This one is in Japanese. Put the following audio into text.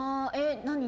何？